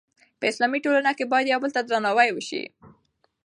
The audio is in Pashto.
په اسلامي ټولنه کې باید یو بل ته درناوی وشي.